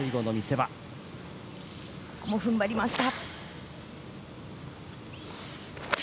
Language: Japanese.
踏ん張りました。